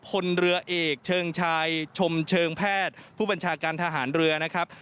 พลเรือเอกเชิงชายชมเชิงแพทย์ผู้บัญชาการทหารเรือนะครับ